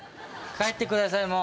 帰ってくださいもう。